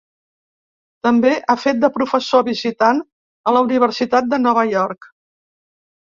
També ha fet de professor visitant a la Universitat de Nova York.